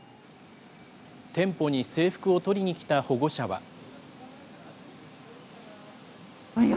店舗に制服を取りに来た保護者は。